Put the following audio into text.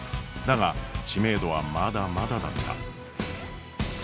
だが知名度はまだまだだった。